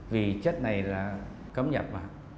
vì chất này là cấm nhập mà